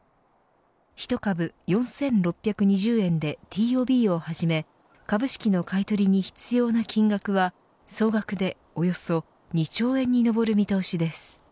一株４６２０円でＴＯＢを始め、株式の買い取りに必要な金額は総額でおよそ２兆円に上る見通しです。